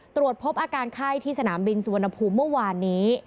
ตรวจพบอาการไข้ที่สนามบินสุวรรณภูมิเมื่อวานนี้